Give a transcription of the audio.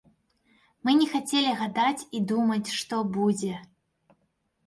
Мы не хацелі гадаць і думаць, што будзе.